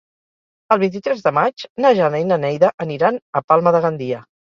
El vint-i-tres de maig na Jana i na Neida aniran a Palma de Gandia.